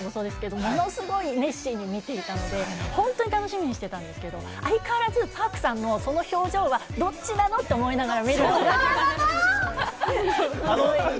１もね、安藤さんもそうですけれども、ものすごい熱心に見ていたんで、本当に楽しみにしていたんですけれども、相変わらずＰａｒｋさんの、その表情はどっちなの？と思いながら。